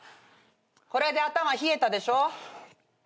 これで頭冷えたでしょ。